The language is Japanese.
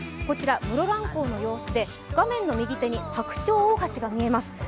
こちら室蘭港の様子で画面の右手に白鳥大橋が見えます。